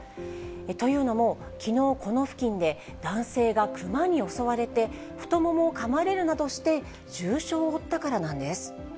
というのも、きのう、この付近で男性がクマに襲われて、太ももをかまれるなどして、重傷を負ったからなんです。